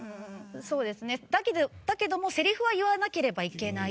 だけどもせりふは言わなければいけない。